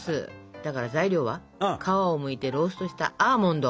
だから材料は皮をむいてローストしたアーモンド。